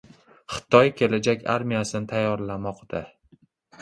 Xitoy kelajak armiyasini tayyorlamoqda